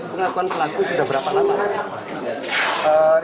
pengakuan pelaku sudah berapa lama